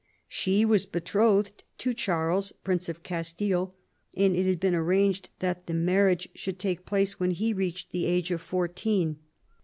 She was betrothed to Charles, Prince of Castile, and it had been arranged that the marriage should take place when he reached the age of fourteen.